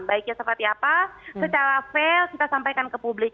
baiknya seperti apa secara fair kita sampaikan ke publik